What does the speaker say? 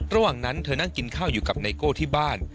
ระหว่างนั้นเธอนั่งกินข้าวอยู่กับไนโก้ที่บ้าน